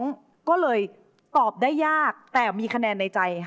ทุกคนด้วยรับทริปที่นี้